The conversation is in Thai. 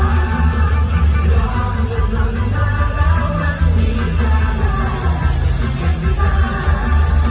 ยอดจะฟังมาแล้วว่าไม่มีแค่แล้วเห็นแล้ว